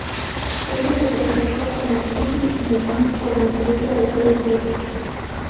Ella se presentó como Jean y el niño como su hijo de seis meses.